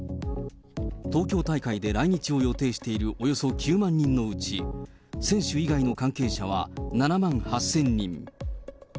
東京大会で来日を予定しているおよそ９万人のうち、選手以外の関係者は７万８０００にん。